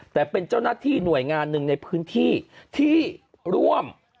แต่เป็นเจ้าหน้าที่หน่วยงานหนึ่งในพื้นที่ที่ร่วม